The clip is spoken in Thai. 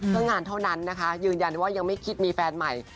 เพื่องานเท่านั้นนะคะยืนยันว่ายังไม่คิดมีแฟนใหม่